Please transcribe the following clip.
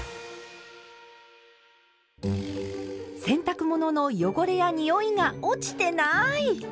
洗濯物の汚れやにおいが落ちてない！